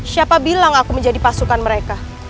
siapa bilang aku menjadi pasukan mereka